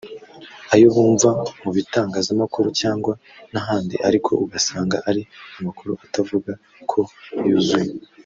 ayo bumva mu bitangazamakuru cyangwa n’ahandi ariko ugasanga ari amakuru utavuga ko yuzuye